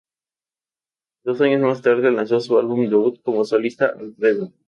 Dos años más tarde, lanzó su álbum debut como solista, "Alfredo".